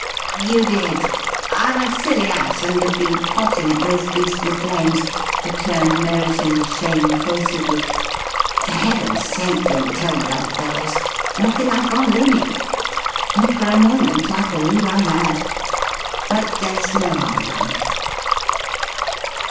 "You did. I'm a silly ass and have been potting at those beastly flames," returned Merriton, shamefacedly. "For Heaven's sake, don't tell the other fellows. They'll think I've gone loony. And for a moment I believe I had. But there's no harm done."